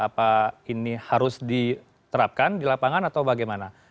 apa ini harus diterapkan di lapangan atau bagaimana